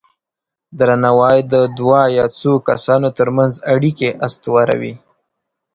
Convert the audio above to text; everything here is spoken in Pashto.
درناوی د دوه یا څو کسانو ترمنځ اړیکې استواروي.